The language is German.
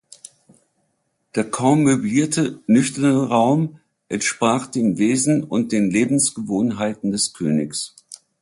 Der kaum möblierte, nüchterne Raum entsprach dem Wesen und den Lebensgewohnheiten des Königs.